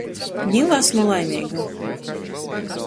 Niu asmu laimeiga.